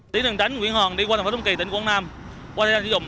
tuyến đường tránh nguyễn hoàng đi qua thành phố tam kỳ tỉnh quảng nam qua thay đổi dùng